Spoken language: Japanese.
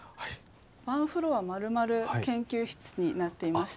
ワンフロアまるまる研究室になっていまして。